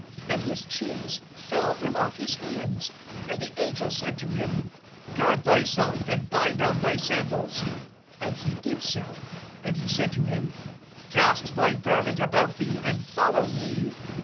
And his chains fell from off his hands. (8)And the angel said to him: Gird thyself, and bind on thy sandals; and he did so. And he said to him: Cast thy garment about thee, and follow me.